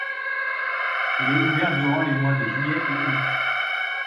Il est ouvert durant les mois de juillet et août.